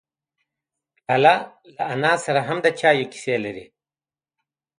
پیاله له انا سره هم د چایو کیسې لري.